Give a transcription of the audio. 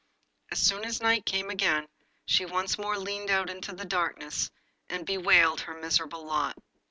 As soon as night came again she once more leaned out into the darkness and bewailed her miserable lot.